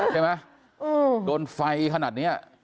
ใช่ไหมโดนไฟขนาดนี้